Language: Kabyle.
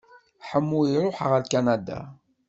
Ḥemmu iruḥ ɣer Kanada.